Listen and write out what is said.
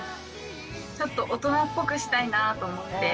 ちょっと大人っぽくしたいなと思って。